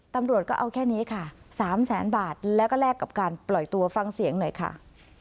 ตำรวจก็เอาแค่นี้ค่ะ๓แสนบาทแล้วก็แลกกับการปล่อยตัวฟังเสียงหน่อยค่ะ